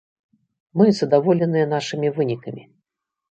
Мы задаволеныя нашымі вынікамі.